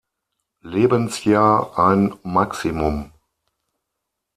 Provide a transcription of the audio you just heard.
Lebensjahr ein Maximum.